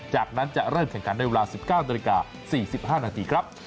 จากนั้นจะเริ่มแข่งกันด้วยวัน๑๙๔๕นครับ